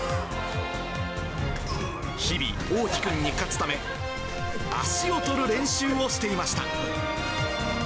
日々、おうき君に勝つため、足を取る練習をしていました。